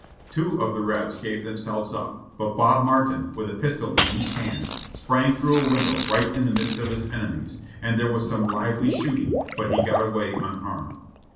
Two of the Rebs gave themselves up, but Bob Martin, with a pistol in each hand, sprang through a window right in the midst of his enemies, and there was some lively shoot ing, but he got away unharmed.